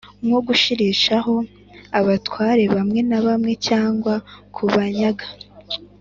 nko gushyirishaho abatware bamwe na bamwe cyangwa kubanyaga.